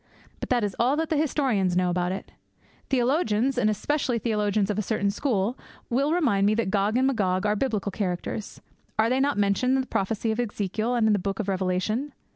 But that is all that the historians know about it! Theologians, and especially theologians of a certain school, will remind me that Gog and Magog are biblical characters. Are they not mentioned in the prophecy of Ezekiel and in the Book of Revelation?